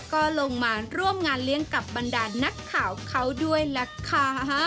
ก็ลงมาร่วมงานเลี้ยงกับบรรดานักข่าวเขาด้วยล่ะค่ะ